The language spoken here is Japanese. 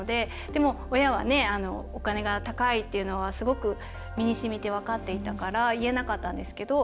でも、親はお金が高いというのはすごく身にしみて分かっていたから言えなかったんですけど。